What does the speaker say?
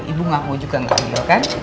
ibu gak mau juga gak adil kan